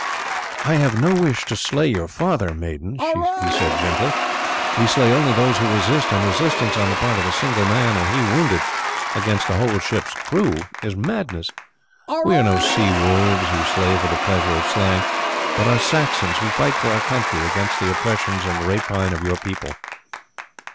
"I have no wish to slay your father, maiden," he said gently; "we slay only those who resist, and resistance on the part of a single man, and he wounded, against a whole ship's crew is madness. We are no sea wolves who slay for the pleasure of slaying, but are Saxons, who fight for our country against the oppressions and rapine of your people.